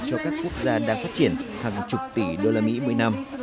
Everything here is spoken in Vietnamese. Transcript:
cho các quốc gia đang phát triển hàng chục tỷ usd một mươi năm